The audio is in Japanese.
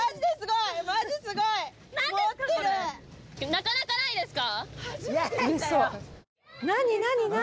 なかなかないですか？